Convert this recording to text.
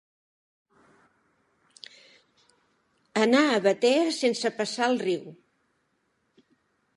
Anar a Batea sense passar el riu.